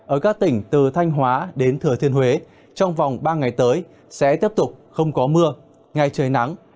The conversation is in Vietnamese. ở các tỉnh từ thanh hóa đến thừa thiên huế trong vòng ba ngày tới sẽ tiếp tục không có mưa ngày trời nắng